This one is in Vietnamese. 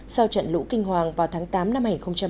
sau trận lũ kinh hoàng vào tháng tám năm hai nghìn một mươi chín